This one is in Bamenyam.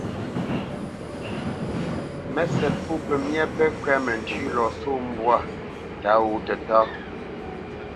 Mə́sɛ̌t pô pɔ̂ pəmyá pɛ́ kwɛ́t məntʉ́ʉ́ lɔ sɔ̂ mbwǎ tǎ wǒ tətáá.